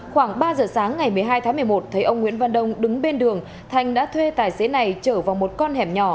khoảng ba giờ sáng ngày một mươi hai tháng một mươi một thấy ông nguyễn văn đông đứng bên đường thành đã thuê tài xế này chở vào một con hẻm nhỏ